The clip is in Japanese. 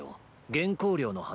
原稿料の話。